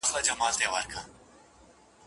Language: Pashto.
له کابله تر بنګاله یې وطن وو